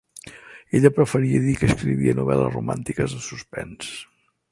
Ella preferia dir que escrivia "novel·les romàntiques de suspens".